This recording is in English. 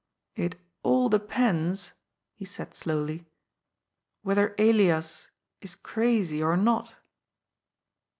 " It all depends," he said slowly, " whether Elias is crazy or not."